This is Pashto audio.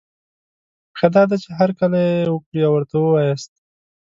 ښه دا ده، چي هرکلی یې وکړی او ورته وواياست